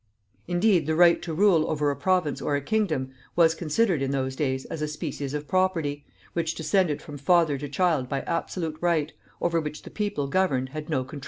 Indeed, the right to rule over a province or a kingdom was considered in those days as a species of property, which descended from father to child by absolute right, over which the people governed had no control whatever.